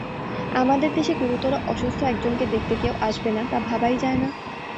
আমাদের দেশে গুরুতর অসুস্থ একজনকে দেখতে কেউ আসবে না তা ভাবাই যায় না।